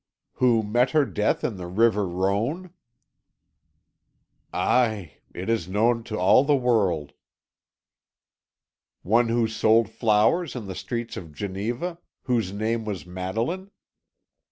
"Who met her death in the river Rhone?' "Aye it is known to all the world." "One who sold flowers in the streets of Geneva whose name was Madeline?"